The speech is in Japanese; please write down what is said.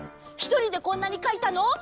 ひとりでこんなにかいたの？